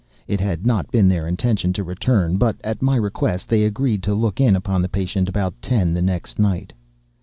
It had not been their intention to return; but, at my request, they agreed to look in upon the patient about ten the next night.